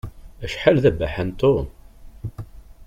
Acḥal d abaḥan Tom!